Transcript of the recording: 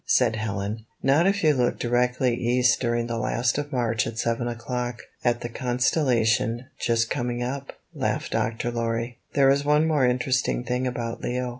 said Helen. "Not if you look directly east during the last of March at seven o'clock, at the constel lation just coming up," laughed Dr. Lorry. "There is one more interesting thing about Leo.